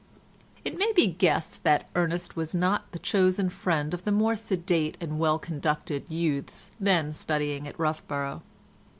It may be guessed that Ernest was not the chosen friend of the more sedate and well conducted youths then studying at Roughborough.